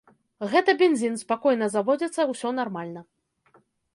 Гэта бензін, спакойна заводзіцца, усё нармальна.